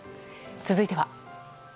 続いては。